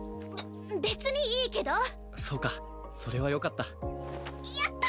べ別にいいけどそうかそれはよかったやった！